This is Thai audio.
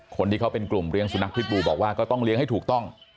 คนที่เขาเป็นกลุ่มเลี้ยงสุนัขพิษบูบอกว่าก็ต้องเลี้ยงให้ถูกต้อง